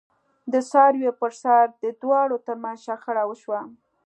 د څارویو پرسر د دواړو ترمنځ شخړه وشوه.